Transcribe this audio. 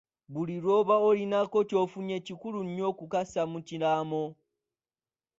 Buli lw'oba olinako k'onfunye kikulu nnyo okukassa mu kiraamo.